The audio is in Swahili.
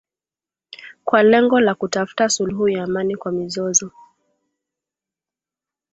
kwa lengo la kutafuta suluhu ya amani kwa mizozo